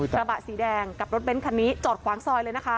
กระบะสีแดงกับรถเบ้นคันนี้จอดขวางซอยเลยนะคะ